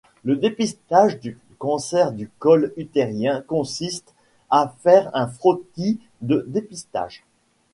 Le dépistage du cancer du col utérin consiste à faire un frottis de dépistage.